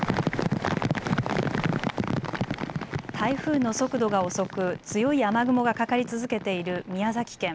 台風の速度が遅く強い雨雲がかかり続けている宮崎県。